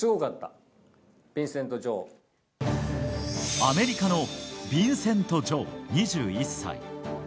アメリカのヴィンセント・ジョウ、２１歳。